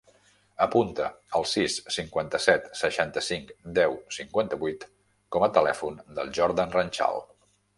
Apunta el sis, cinquanta-set, seixanta-cinc, deu, cinquanta-vuit com a telèfon del Jordan Ranchal.